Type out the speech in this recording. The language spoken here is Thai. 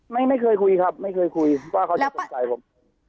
ไม่เคยคุยครับไม่เคยคุยว่าเขาจะสงสัยผม